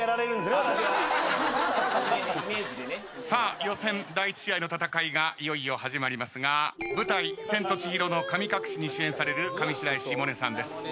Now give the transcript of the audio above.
さあ予選第１試合の戦いがいよいよ始まりますが舞台『千と千尋の神隠し』に主演される上白石萌音さんです。